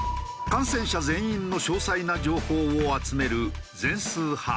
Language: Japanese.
感染者全員の詳細な情報を集める全数把握。